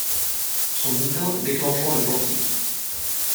Son bouquin déclenchant le portique.